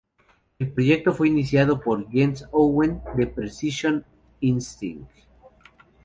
El proyecto fue iniciado por Jens Owen, de "Precision Insight".